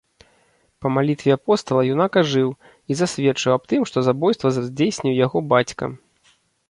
Па малітве апостала юнак ажыў і засведчыў аб тым, што забойства здзейсніў яго бацька.